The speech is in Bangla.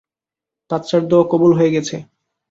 বাচ্চার দোয়া কবুল হয়ে গেছে।